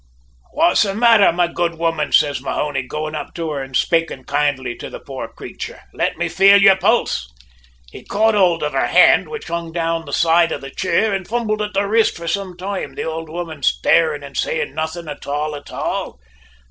"`What's the mather, my good woman?' says Mahony, going up to her an' spaking kindly to the poor crayture. `Let me feel your pulse.' "He caught hold of her hand, which hung down the side of the chere and fumbled at the wrist for some toime, the ould woman starin' an' sayin' nothin' at all at all!